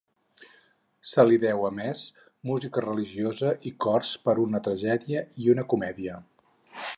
Se li deu, a més, música religiosa i cors per una tragèdia i una comèdia.